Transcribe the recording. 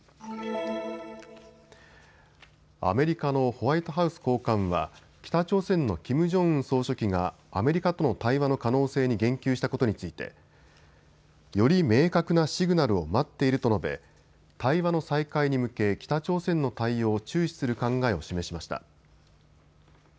アメリカのホワイトハウス高官は北朝鮮のキム・ジョンウン総書記がアメリカとの対話の可能性に言及したことについてより明確なシグナルを待っていると述べ、対話の再開に向け北朝鮮の対応を注視する考えを示しました。